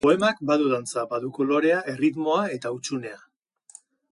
Poemak badu dantza, badu kolorea, erritmoa eta hutsunea.